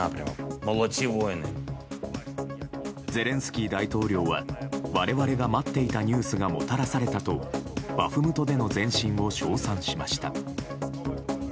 ゼレンスキー大統領は我々が待っていたニュースがもたらされたとバフムトでの前進を称賛しました。